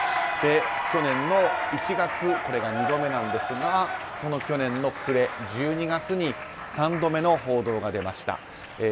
去年１月これが２度目なんですがその去年の暮れ、１２月に３度目の報道が出ました。